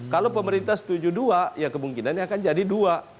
kalau pemerintah setuju dua ya kemungkinannya akan jadi dua